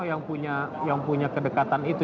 setia novanto yang punya kedekatan itu